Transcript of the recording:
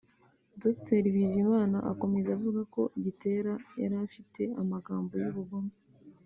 Dr Bizimana akomeza avuga ko Gitera yari afite amagambo y’ubugome